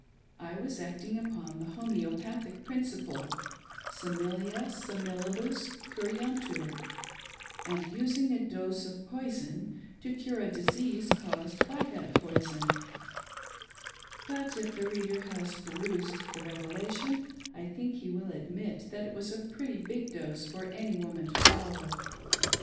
I was aCtiiig upon' the llbriioeopathic principle —" shnilia similibus curantur" — and using a' dose of poison to cure a disease caused by that poison; — but if the reader has perused' the "Revelation " I think he will admit that it was a pretty big dose for any woman to Swallow.